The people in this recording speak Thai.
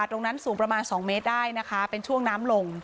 ตรงนั้นสูงประมาณ๒เมตรได้นะคะเป็นช่วงน้ำลง